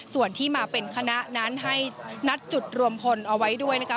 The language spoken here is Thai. ส่วนที่มาเป็นคณะนั้นให้นัดจุดรวมพลเอาไว้ด้วยนะคะ